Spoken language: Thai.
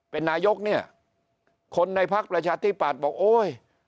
เป็นนายกเนี่ยคนในพักประชาธิปัตย์บอกโอ๊ย